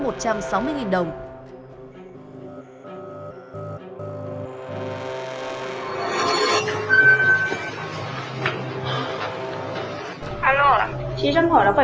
xin chào chị trân hỏi là phải bên mình bán bột nghệ đúng không ạ